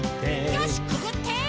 よしくぐって！